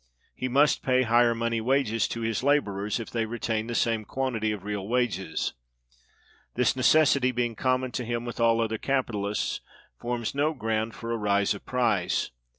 He must pay higher money wages to his laborers [if they retain the same quantity of real wages]. This necessity, being common to him with all other capitalists, forms no ground for a rise of price.